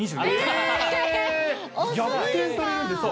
えー？逆転されるんですね。